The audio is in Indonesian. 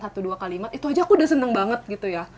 satu dua kalimat itu aja aku udah seneng banget gitu ya